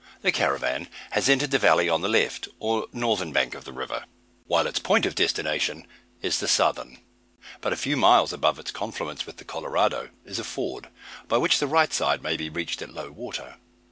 The caravan has entered the valley on the left, or northern, bank of the river, while its point of destination is the southern; but a few miles above its confluence with the Colorado is a ford, by which the right side may be reached at low water.